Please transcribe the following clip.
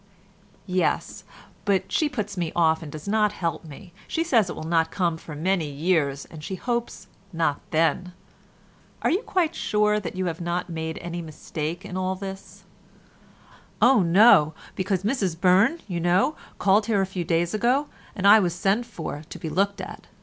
"Yes, but she puts me off and does not help me: she says it will not come for many years, and she hopes not then." "Are you quite sure that you have not made any mistake in all this?" "Oh, no; because Mrs Burne, you know, called here a few days ago, and I was sent for to be looked at.